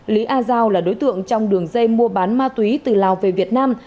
lý a giao là đối tượng trong đường dây mua bán ma túy từ lào về việt nam